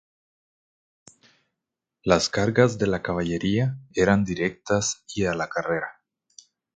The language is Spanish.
Las cargas de caballería eran directas y a la carrera.